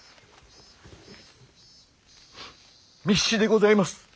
密旨でございます。